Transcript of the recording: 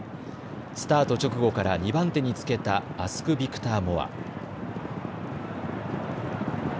スタート直後から２番手につけたアスクビクターモア。